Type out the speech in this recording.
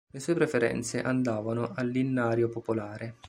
Le sue preferenze andavano all'Innario popolare.